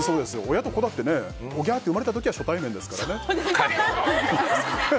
親と子だっておぎゃーって産まれたときは初対面ですからね。